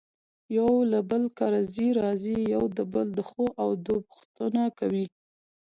يو له بل کره ځي راځي يو د بل دښو او دو پوښنته کوي.